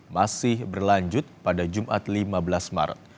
masih berlanjut pada jumat lima belas maret